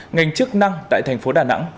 ngành chức năng tại thành phố đà nẵng